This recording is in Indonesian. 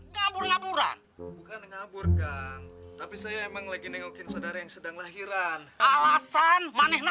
ngabur ngaburan bukan ngaburkan tapi saya emang lagi nengokin saudara yang sedang lahiran alasan panik